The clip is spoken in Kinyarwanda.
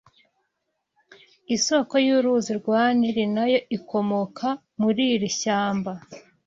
Isoko y’uruzi rwa Nili na yo ikomoka muri iri shyamba